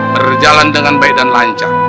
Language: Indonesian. berjalan dengan baik dan lancar